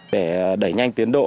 để đẩy nhanh tiến độ